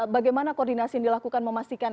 bagaimana koordinasi yang dilakukan memastikan